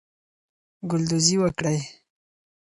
ګلدوزی وکړئ.